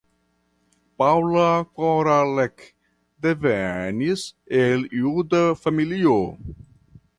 Paula Koralek devenis el juda familio.